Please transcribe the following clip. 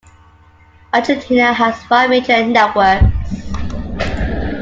Argentina has five major networks.